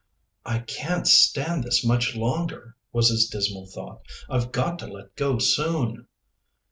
"I can't stand this much longer," was his dismal thought. "I've got to let go soon."